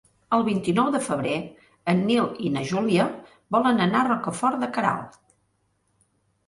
El vint-i-nou de febrer en Nil i na Júlia volen anar a Rocafort de Queralt.